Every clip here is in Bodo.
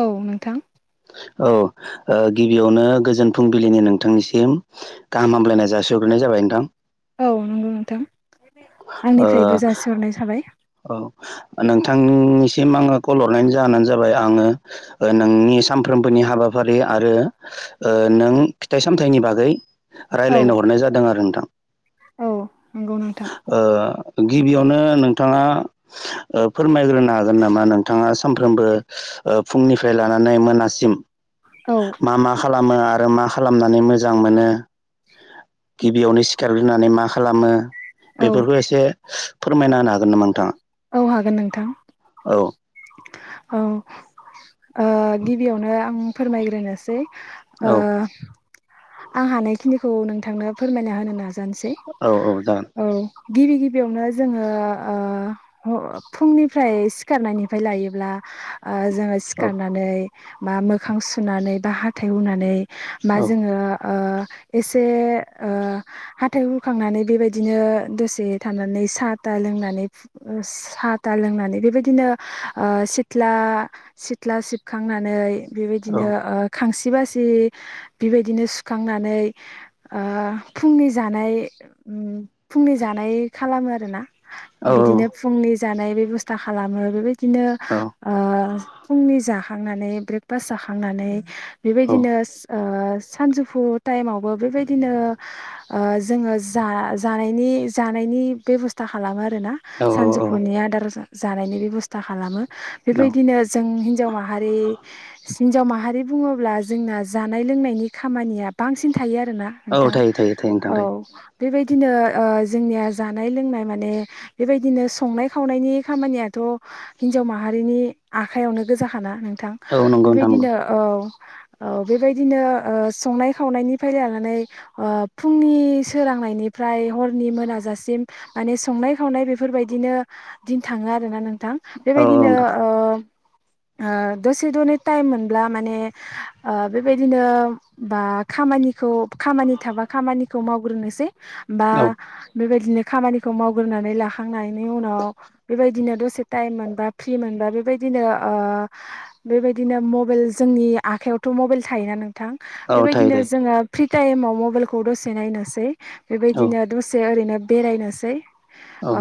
औ नोंथां औ ओ गिबियावनो गोजोन फुंबिलिनि नोंथांनिसिम गाहाम हामलायनाय जासिग्रोनाय जाबाय नोंथां। औ नंगौ नोंथां ओ आंनिफ्रायबो जासिहरनाय थाबाय। औ नोंथांनिसिम आङो कल हरनायनि जाहोनानो जाबाय आङो नोंनि सा नफ्रोमबोनि हाबाफारि आरो नों फिथाइ सामथाइनि बागै औ राय्लायनो हरनाय जादों आरो नोंथां। औ नंगौ नोंथां ओ गिबियावनो नोंथाङा फोरमायग्रोनो हागोन नामा नोंथाङा सानफ्रोमबो फुंनिफ्राय लानानै मोनासिम औ मा मा खालाम खालामो आरो मा खालामनानै मोजां मोनो? गिबियावनो सिखारग्रोनानै मा खालामो? औ बेफोरखौ एसे फोरमायना होनो हागोन नामा नोंथाङा? औ हागोन नोंथां। औ औ गिबियावनो आं फोरमायग्रोनोसै औ आं हानायखिनिखौ नोंथांनो फोरमायना होनो नाजानोसै औ जागोन औ गिबि गिबियावनो जोङो फुंनिफ्राय सिखारनायनिफ्राय लायोब्ला जोङो औ सिखारनानै बा मोखां सुनानै बा हाथाइ हनानै बा औ जोङो एसे हाथाइ हुखांनानै बेबायदिनो दसे थानानै साहा था लोंनानै साथा लोंनानै बेबायदिनो सिथ्ला सिथ्ला सिबखांनानै औ बेबायदिनो खांसि बासि बेबायदिनो सु सुखांनानै फुंनि जानाय फुंनि जानाय खालामो आरोना औ बिदिनो फुंनि जानाय बेबस्था खालामो बेबायदि बिदिनो औ फुंनि जाखांनानै ब्रेकफास्ट जाखांनानै बेबायदिनो सानजौ फु टाइमावबो बेबायदिनो जोङो जा जानायनि जानायनि बेब'स्था खालामो आरोना औ सानजौफुनि आदार जानायनि बेब'स्था खालामो। औ बेबायदिनो जों हिनजाव माहारि हिनजाव माहा रि बुङोब्ला जोंना जानाय लोंनायनि खामानिया बांसिन थायो। आरोना औ नोंथां थायो थायो थायो नोंथां औ बेबायदिनो जोंनिया जानाय लोंनाय माने बेबायदिनो संनाय खावनायनि खामानियाथ' थ' हिनजाव माहारिनि आखायावनो गोजाखाना नों थां थायो औ नंगौ नोंथां नंगौ बेबायदिनो औ-औ बेबायदिनो संनाय खावनायनिफ्राय लानानै फुंनि सोरांनायनिफ्राय हरनि मोनाजासे माने संनाय खावनाय बेफोरबायदिनो दिन थाङो आरोना नों थां औ बेबायदिनो नोंथां दसे दनै टाइम मोनब्ला माने ओ बेबायदिनो बा खामानिखौ खामानि थाबा खामानिखौ मावग्रोनोसै बा बेबायदिनो खामानिखौ मावगनानै लाखांनायनि उनाव बेबायदिनो दसे टाइम मोनबा फ्रि मोनबा बेबायदि बिदिनो बेबायदिनो मबाइल जोंनि आखाइयावथ' मबाइल थायोना नोंथां। औ औ थायो बेबायदिनो थायो जोङो फ्रि टाइमाव मबाइलखौ दसे नायनोसै औ बेबायदिनो दसे ओरैनो बेरायनोसै औ अ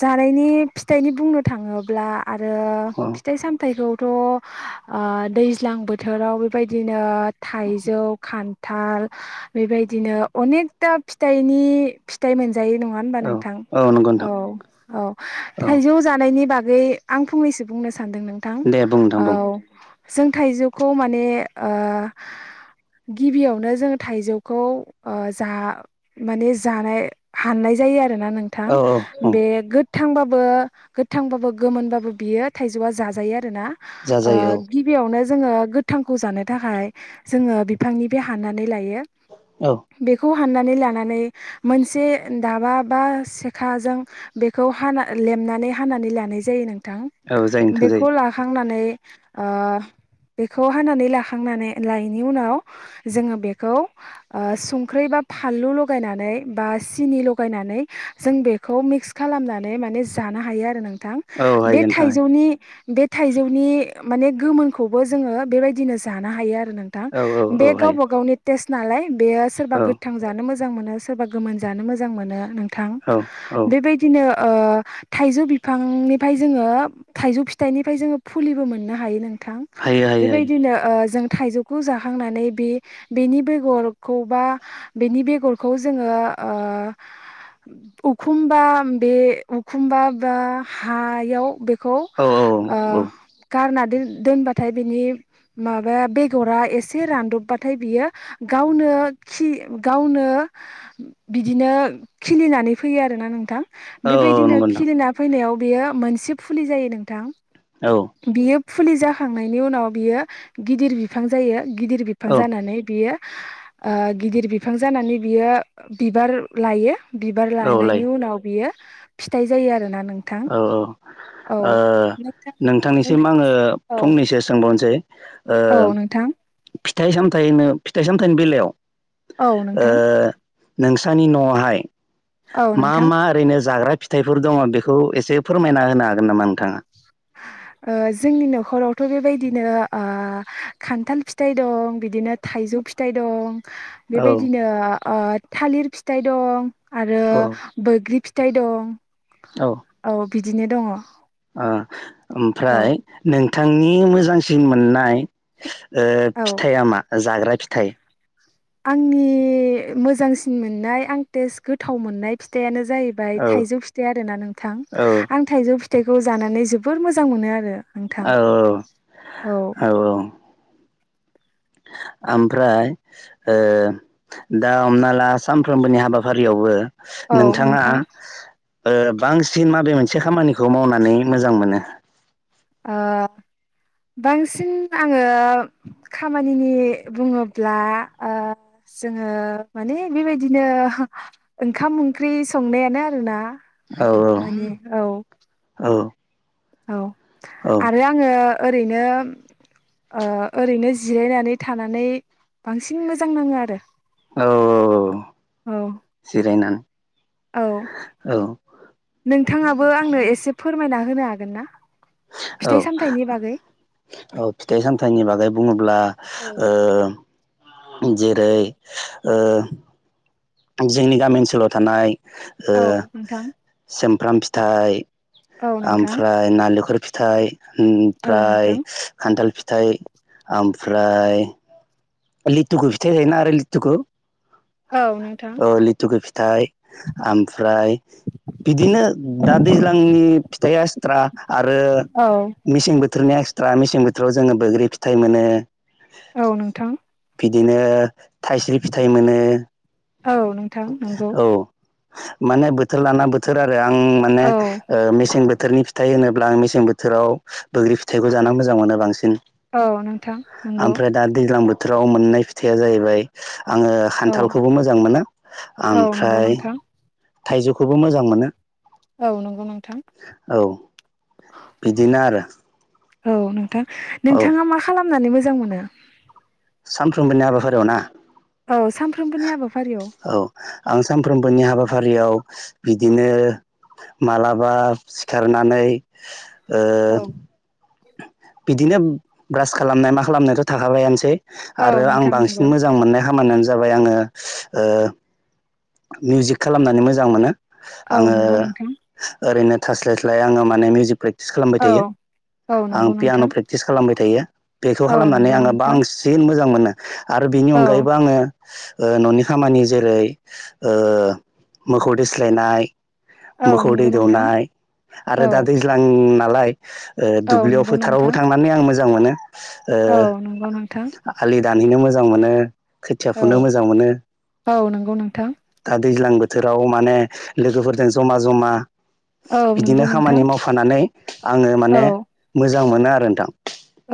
जानायनि फिथाइनि बुंनो थाङोब्ला आरो औ फिथाइ सामथाइखौ थ' दैज्लां बोथोराव बेबायदिनो थाइजौ खान थाल बेबायदिनो अनेकथा फिथनि फिथाइ मोन जायो नङा होनबा औ नोंथां नंगौ नोंथां औ औ औ जानायनि बाग गै आं फंनैसो बुंनो सानदों नोंथां दे बुं नोंथां औ बुं जों थाइजौखौ माने ओ [inaudible] गिबियावनो जों थाइजौखौ ओ जा माने जानाय हाननाय जायो आरो आरोना नोंथां औ औ औ बे गो थांबाबो गोथांबाबो गोमोनबाबो बियो थाइजौआ जाजायो रोना जा ओ जायो गिबियावनो जोङो गोथांखौ जानो थाखाय जोङो बिफांनिफाय हानानानै लायो औ औ बेखौ हाननानै लानानै मोनसे दाबा बा सिखाजों बेखौ हाना लेब नानै हानानै लानाय जायो नों थां औ जायो नोंथां बेखौ जायो लाखांनानै ओ बेखौ हानानै लाखांनानै लायनि उनाव जोङो बेखौ ओ संख्रै बा फानलु लगायनानै बा सिनि लगायनानै जों बेखौ मिक्स खालामनानै माने जानो हायो आरो नों थां औ बे हायो नोंथां थाइजौनि बे थाइजौनि माने गोमोनखौबो जोङो बेबायदिनो जानो हायो आरो नोंथां हायो औ बे औ गावबा हायो गावनि टेस नालाय बेयो सोरबा औ गोथां जानो मोजां मोजां मोनो सोरबा गोमोन जानो मोजां मोनो नोंथां औ बेबायदिनो ओ थाइजौ बिफांनिफ्राय जोङो थाइजौ फिथाइनिफ्राय जोङो फुलिबो मोननो हायो नों थां हायो हायो हायो बेबायदिनो ओ जों थाइजौखौ जाखांनानै बे बेनि बेगरखौ बा बेनि बेगरखौ जोङो ओ एखुमबा बे एखमबा बा हायाव बे खौ औ ओ औ गारना दोन दोनबाथाय बेनि माबा बे गरा एसे रानदबबाथाय बियो गावनो खि गावनो बिदिनो खिलिनानै फैयो आरोना नोंथां औ बेबायदिनो नंगौ खिलिना फैनायाव बियो मोनसे फुलि जायो नोंथां नोंथां औ बियो फुलि जाखांनायनि उनाव बियो गिदिर बिफां जायो गिदिर बिफां जानानै बियो ओ गिदिर बिफां जानानै बियो बिबार लायो बिबार औ औ लायो लानायनि उनाव बियो फिथाइ जायो आरोना नों औ औ ओ नोंथां नोंथांनिसिम आङो फंनैसो सोंबावनोसै ओ औ नोंथां फिथाइ सामथायनो फिथाइ सामथायनि बेलायाव औ ओ नोंथां नोंसानि नआवहाय औ मा नोंथां मा ओरैनो जाग्रा फिथाइफोर दङ बे बेखौ एसे फोरमायना होनो हागोन नामा नोंथाङा ओ जोंनि न'खरावथ'बेबायदिनो ओ खान्थाल फिथाइ दं बिदिनो थाइजौ फिथाइ दं औ बेबायदिनो ओ थालिर फिथाइ दं आरो औ बैग्रि फिथाइ दं औ बिदिनो दङ ओ औ ओमफ्राय नोंथांनि मोजांसिन मोननाय ओ औ फिथाया मा जाग्रा फिथाइ आंनि मोजांसिन मोननाय आं टेस्ट गोथाव मोननाय फिथायानो जाहैबाय औ थाइजौ फिथाइ आरोना नोंथां औ औ आं थाइजौ फिथाइखौ जानानै जोबोर मोजां मोनो आरो नोंथां औ औ [inaudible] ओमफ्राय ओ दा हमना ला सानफ्रोमबोनि हाबाफारियावबो औ नोंथाङा नोंथां ओ बांसिन माबे मोनसे खामानिखौ मावनानै मोजां मोनो ओ बांसिन आङो खामानिनि बुङोब्ला जोङो माने बेबायदिनो ओंखाम ओंख्रि संनायानो आरोना। औ माने औ औ औ औ औ आरो आङो ओरैनो ओ ओरैनो जिरायनानै थानानै बांसिन मोजां नाङो आरो। औ औ जिरायनानै औ औ नोंथाङाबो आंनो एसे फोरमायना होनो हागोन ना औ फिथाइ सामथाइनि बागै औ फिथाइ सामथाइनि बागै बुङोब्ला ओ जेरै जोंनि गामि ओनसोलाव थानाय औ नोंथां प्लाम फिथाइ औ नोंथां ओमफ्राय नालेंखर फिथाइ औ ओमफ्राय नोंथां खान्थाल फि फिथाइ ओमफ्राय लिथुखौ फिथाइ थायोना आरो लिथुखौ औ नोंथां औ लिथुखौ फिथाइ ओमफ्राय बिदिनो दा दैज्लांनि फिथाइ एस्थ्रा आरो औ मेसें बोथोर बोथोरनि एक्सट्रा मेसें बोथोराव जो बैग्रि फिथाइ मोनो। औ नोंथां बिदिनो थाइस्रि फिथाइ मोनो। औ नोंथां नंगौ औ माने बोथोर लाना बोथोर आरो आं माने औ मेसें बो थोरनि फिथाइ होनोब्ला आं मेसें बोथोराव बैग्रि फिथाइखौ जानो मोजां मोनो बांसिन। औ नोंथां नंगौ ओमफ्राय दा दैज्लां बो थोराव मोननाय फिथाइया जाहैबाय आङो औ खान्थालखौबो मोजां मोनो औ नंगौ ओमफ्राय नोंथां थाइजौखौबो मोजां मोनो। औ नंगौ नोंथां औ बिदिनो आरो औ नोंथां औ नोंथाङा मा खालामनानै मोजां मोनो। सानफ्रोमबोनि हाबाफारियाव ना? औ सानफ्रोमबोनि हाबाफारियाव औ आं सानफ्रोमबोनि हाबाफारियाव बिदिनो मालाबा सिखारनानै औ बिदिनो ब्रास खालामनाय मा खालामनायाथ' थाखाबायानोसै औ आरो आं नोंथां बांसिन नंगौ मोजां मोननाय खामानियानो जाबाय आङो मिउजिक खालामनानै मोजां मोनो। औ आङो नंगौ नोंथां ओरैनो थास्लायस्लाय आङो माने मिउजिक प्रेक्टिस खालामबाय औ थायो। औ आं नंगौ पियान' नोंथां प्रेक्टिस खालामबाय थायो बेखौ औ खालामनानै नंगौ आङो नोंथां बांसिन मोजां मोनो। आरो बिनि औ अनगायैबो आङो न'नि खामानि जेरै मोखौ दोस्लायनाय औ मोखौ दै नंगौ नोंथां दौनाय आरो औ दा दैज्लां नालाय। औ दुब्लियाव नंगौ फोथारावबो नोंथां थांनानै आं मोजां मोनो। औ नंगौ नोंथां आलि दानहैनो मोजां मोनो। खोथिया औ फुनो मोजां मोनो। औ नंगौ नोंथां दा दैज्लां बोथोराव माने लोगोफोरजों जमा जमा औ बिदिनो नंगौ नोंथां खामानि मावफानानै आङो औ माने मोजां मोजां मोनो आरो नोंथां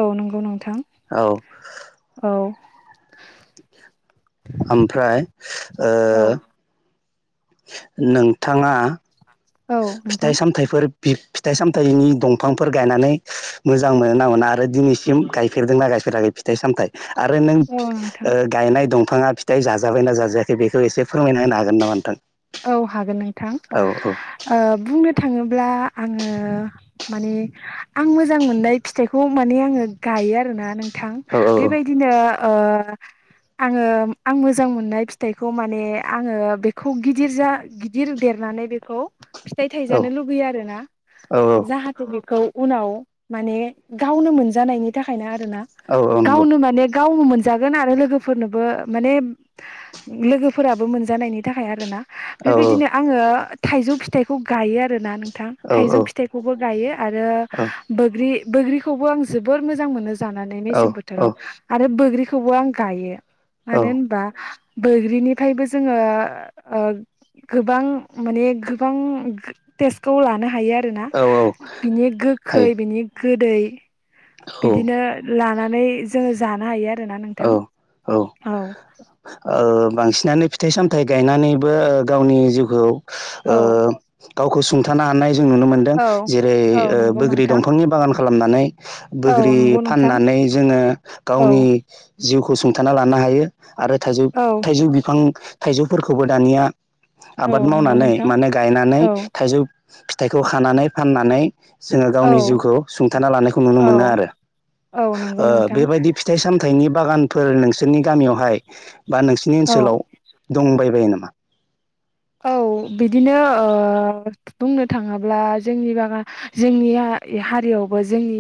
औ नंगौ नोंथां औ औ ओमफ्राय ओ औ नोंथाङा। औ नोंथां फिथाइ सामथाइफोर फिथाइ सामथाइनि दंफांफोर गायनानै मोजां मोनो ना मोना आरो दिनैसिम गायफेरदोंना गाय। बोथोरारि फिथाइ सामथाय आरो नों औ नोंथां गायनाय दं बिफाङा फिथाइ जाजाबायना जाजायाखै बेखौ एसे फोरमायना होनो हागोन नामा नोंथां औ हागोन नोंथां। औ औ बुंनो थाङोब्ला आङो माने आं मोजां मोननाय फिथाइखौ। माने आङो गायो आरोना नोंथां औ बेबायदिनो आङो आं मोजां मोननाय फिथाइखौ माने आङो बेखौ गिदिर। गिदिर जा गिदिर देरनानै बेखौ। फिथाइ औ थाइजानो लुबैयो आरोना औ औ जाहाथे बेखौ उनाव माने गावनो मोनजानायनि थाखायनो आरोना औ औ नंगौ गावनो माने गावनो मोनजागोन आरो लोगोफोरनोबो माने लोगोफोराबो मोनजानायनि थाखाय आरोना औ बेबायदिनो आङो थाइजौ फिथाइखौ गायो आरोना नोंथां औ औ औ थाइजौ फिथाइखौबो गायो। आरो औ बोग्रि बोग्रिखौबो आं जोबोर मोजां मोनो। जानानै मेसें औ बोथोराव आरो बैग्रिखौबो आं गायो औ मानो होनबा? बैग्रिनिफ्रायबो जोङो गोबां माने गोबां टेस्टखौ लानो हायो। आरोना औ औ बिनि गोखै हायो बिनि गोदै बिदिनो लानानै जोङो जानो हायो आरोना औ नोंथां औ। ओ बांसिनानो फिथाइ सामथाइ गायनानैबो गावनि जिउखौ। ओ औ गावखो सुंथानो हानाय जों नुनो मोन्दों औ जेरै औ नंगौ बोग्रि नोंथां दंफांनि बागान खालामनानै। औ बोग्रि नंगौ नोंथां फाननानै जोङो औ गावनि जिउखौ सुंथाना लानो हायो। आरो थाइजौ औ थाइजौ बिफां थाइजौफोरखौबो दानिया औ आबाद नंगौ मावनानै नोंथां माने गायनानै औ थाइजौ फिथाइखौ खानानै फाननानै। जोङो औ गावनि जिउखौ सुंथाना लानायखौ नुनो औ मोनो आरो औ नंगौ नोंथां बेबायदि फिथाइ सामथाइनि बागानफोर नोंसोरनि गामियावहाय बा नोंसिनि औ ओनसोलाव दंबाय बायो नामा औ बिदिनो बुंनो थाङोब्ला जोंनि बा जोंनिया। हारियावबो जोंनि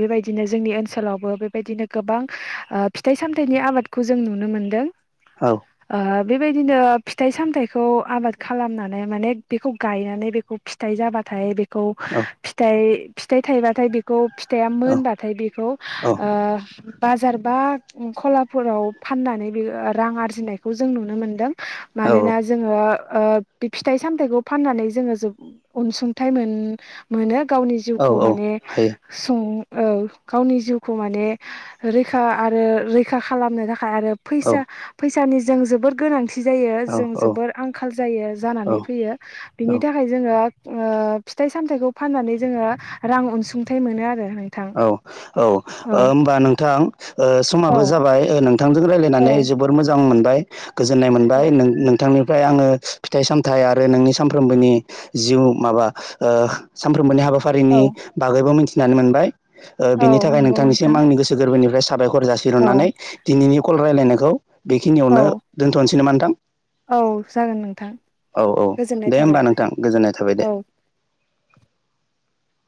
बेबायदिनो जोंनि ओनसोलावबो बेबायदिनो गोबां फिथाइ साम सामथाइनि आबादखौ जों नुनो मोनदों औ बेबायदिनो फिथाइ सामथाइखौ आबाद खालामनानै माने बेखौ गायनानै बेखौ फिथाइ जाबाथाय बे खौ औ फिथाइ फिथाइ थायबाथाय बेखौ फिथाया औ मोनबाथाय बेखौ ओ औ बाजार बा खलाफोराव फाननानै बे रां आरजिनायखौ जों नुनो मोनदों मानोना औ जोङो। बे ओ फिथाइ सामथाइखौ फाननानै जोङो जोबो अनसुंथाइ मोन मोनो। गावनि औ जिउखौ औ माने हायो सं औ गावनि जिउखौ माने रैखा आरो रैखा खालामनो थाखाय। आरो औ फैसा फैसानि जों जोबोर गोनांथि जायो औ जों औ जोबोर आं जायो जानानै औ फैयो बिनि औ थाखाय जोङो। ओ फिथाइ सामथाइखौ फाननानै जोङो रां अनसुंथाइ मोनो आरो नोंथां औ-औ औ होमबा नोंथां औ समाबो जाबाय नोंथांजों रायलाय नानै औ जोबोर मोजां मोनबाय गोजोननाय मोनबाय नोंथांनि फ्राय आङो फिथाइ सामथाइ आरो नोंनि सानफ्रामबोनि जिउ माबा ओ सानफ्रोमबोनि हाबा। फारिनि औ बागैबो मिथिनानै मोनबाय औ बिनि थाखाय नंगौ नोंथां नोंथांनिसिम आंनि गोसो गोरबोनिफ्राय साबायखर औ जासिहरनानै दिनैनि कल रायलायनायखौ बेखिनियावनो औ दोन्थ'सैनो नोंथां। औ जागोन नोंथां औ-औ गोजोननाय दे होमबा थाबाय नोंथां गोजोननाय थाबाय दे औ